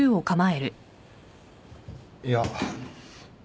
いや。